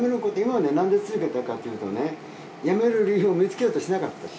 今までなんで続けたかっていうとねやめる理由を見つけようとしなかった。